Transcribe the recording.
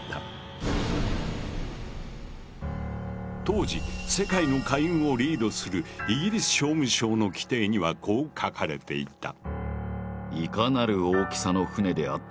当時世界の海運をリードするイギリス商務省の規定にはこう書かれていた。